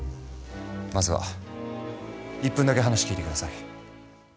まずは１分だけ話聞いて下さい。